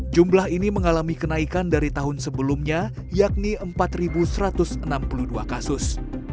jumlah ini mengalami kenaikan dari tahun sebelumnya yakni empat satu ratus enam puluh dua kasus